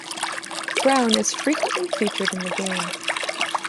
Brown is frequently featured in the game.